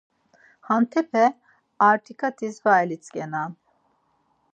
Hantepe artikatis var elitzǩenan.